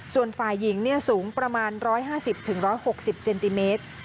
ส่วนฝ่ายหญิงสูงประมาณ๑๕๐๑๖๐เซนติเมตร